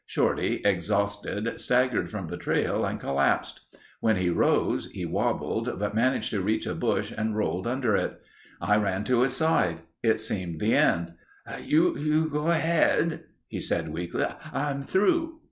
Shorty, exhausted, staggered from the trail and collapsed. When he rose, he wobbled, but managed to reach a bush and rolled under it. I ran to his side. It seemed the end. "You go ahead," he said weakly. "I'm through."